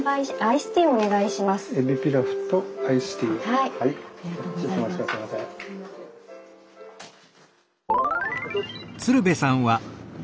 はい。